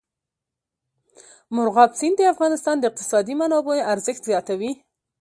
مورغاب سیند د افغانستان د اقتصادي منابعو ارزښت زیاتوي.